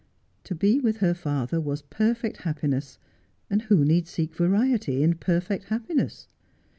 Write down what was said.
To be with her father was perfect happiness, and who need seek variety in perfect happiness.